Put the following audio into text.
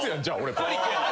じゃあ俺と。